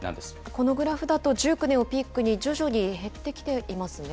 このグラフだと、１９年をピークに徐々に減ってきていますね。